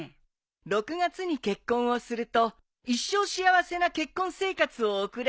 ６月に結婚をすると一生幸せな結婚生活を送れるといわれているんだ。